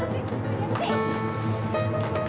gila bener nah